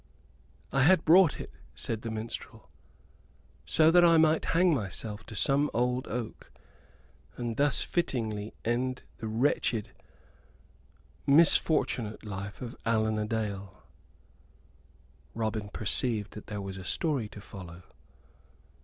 "I had brought it," said the minstrel, "so that I might hang myself to some old oak, and thus fittingly end the wretched, misfortunate life of Allan a Dale." Robin perceived that there was a story to follow.